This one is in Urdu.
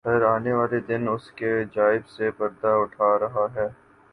ہر آنے والا دن اس کے عجائب سے پردہ اٹھا رہا ہے۔